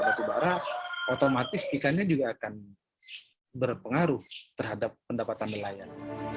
batu bara otomatis ikannya juga akan berpengaruh terhadap pendapatan nelayan